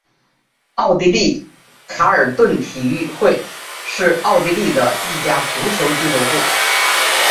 奥地利卡尔顿体育会是奥地利的一家足球俱乐部。